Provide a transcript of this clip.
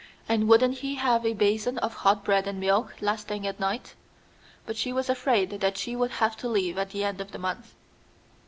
And wouldn't he have a basin of hot bread and milk last thing at night? But she was afraid that she would have to leave at the end of the month.